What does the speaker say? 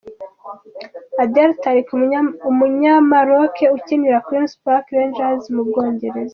Adel Taarabt, umunyamaroke ukinira Queens Park Rangers mu Bwongereza.